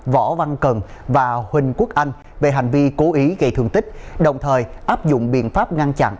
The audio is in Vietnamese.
võ văn cần và huỳnh quốc anh về hành vi cố ý gây thương tích đồng thời áp dụng biện pháp ngăn chặn